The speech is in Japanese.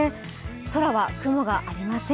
空は雲がありません。